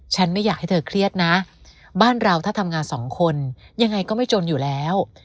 ไม่อยากให้เธอเครียดนะบ้านเราถ้าทำงานสองคนยังไงก็ไม่จนอยู่แล้ว